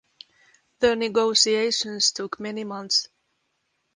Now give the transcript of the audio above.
The negotiations took many months.